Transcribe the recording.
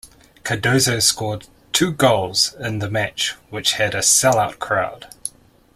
Cardozo scored two goals in the match which had a sellout crowd.